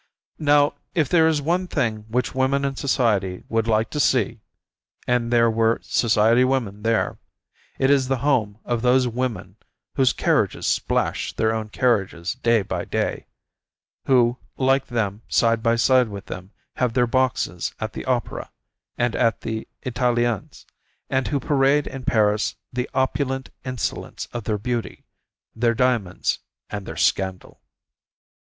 Now, if there is one thing which women in society would like to see (and there were society women there), it is the home of those women whose carriages splash their own carriages day by day, who, like them, side by side with them, have their boxes at the Opera and at the Italiens, and who parade in Paris the opulent insolence of their beauty, their diamonds, and their scandal.